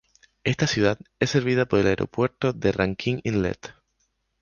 Esta ciudad es servida por el Aeropuerto de Rankin Inlet.